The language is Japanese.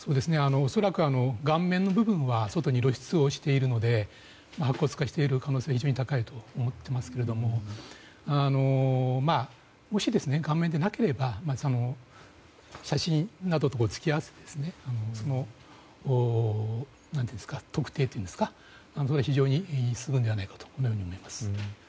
恐らく顔面の部分は外に露出をしているので白骨化している可能性は非常に高いと思っていますけどももし顔面でなければ写真などと突き合わせて特定というんですが非常に進むのではないかと思います。